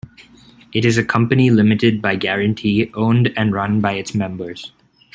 It is a company limited by guarantee, owned and run by its members.